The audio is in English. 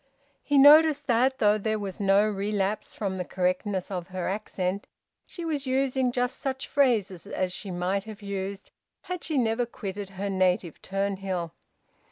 He noticed that, though there was no relapse from the correctness of her accent, she was using just such phrases as she might have used had she never quitted her native Turnhill.